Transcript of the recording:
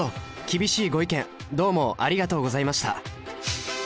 厳しいご意見どうもありがとうございました。